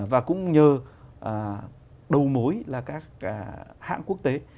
và cũng nhờ đầu mối là các hãng quốc tế